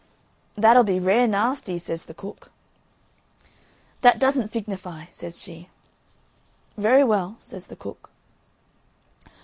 "That'll be rare nasty," says the cook. "That doesn't signify," says she. "Very well," says the cook.